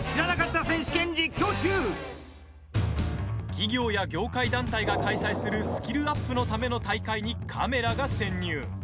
企業や業界団体が開催するスキルアップのための大会にカメラが潜入。